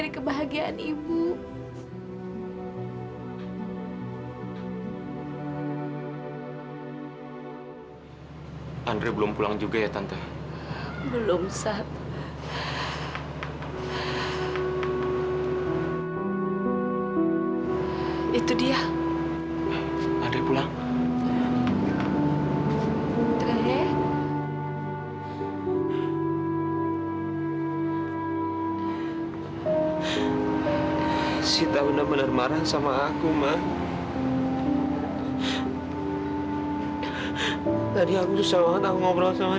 ini untuk agusta teh